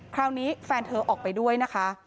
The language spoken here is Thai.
คราวนี้แฟนเธอออกไปด้วยนะคะ